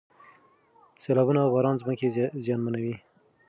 سیلابونه او باران ځمکې زیانمنوي.